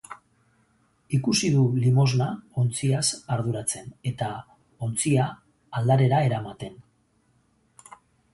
Ikusi du limosna ontziaz arduratzen eta ontzia aldarera eramaten.